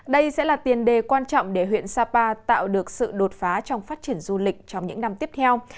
đây sẽ là tiền đề quan trọng để huyện sapa tạo được sự đột phá trong phát triển du lịch trong những năm tiếp theo